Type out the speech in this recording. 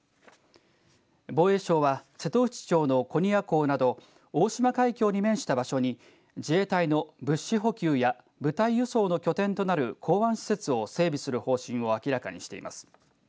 防衛省は瀬戸内町の古仁屋港など大島海峡に面した場所に自衛隊の物資補給や部隊輸送の拠点となる港湾施設を整備する方針を明らかにしています。